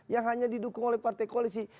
yang hanya didukung oleh partai koalisi